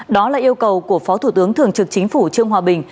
đó là yêu cầu của phó thủ tướng thường trực chính phủ trương hòa bình